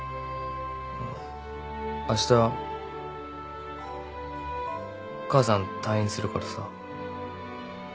あっあした母さん退院するからさ。